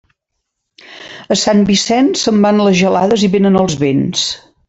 A Sant Vicent, se'n van les gelades i vénen els vents.